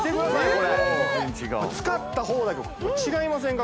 これ使った方だけ違いませんか？